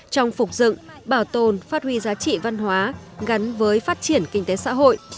trong phục dựng bảo tồn phát huy giá trị văn hóa gắn với phát triển kinh tế xã hội